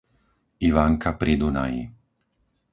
Ivanka pri Dunaji